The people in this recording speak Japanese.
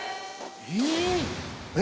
え！